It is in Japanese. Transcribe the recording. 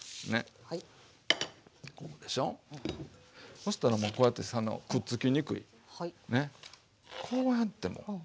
そしたらもうこうやってくっつきにくいねこうやってもう。